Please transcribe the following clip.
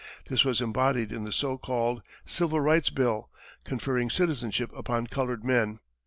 This was embodied in the so called Civil Rights Bill, conferring citizenship upon colored men.